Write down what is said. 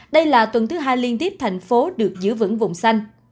đây là tuần thứ hai liên tiếp thành phố được giữ vững vùng xanh